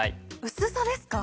薄さですか？